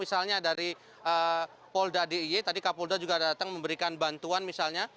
misalnya dari polda diy tadi kapolda juga datang memberikan bantuan misalnya